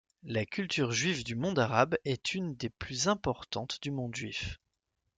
La culture juive du monde arabe est une des plus importantes du monde juif.